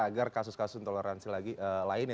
agar kasus kasus intoleransi lainnya